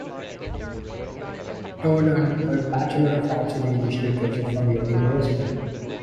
Todd earned her Bachelor of Arts in English literature from York University.